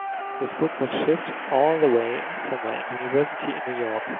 This book was shipped all the way from my university in New York.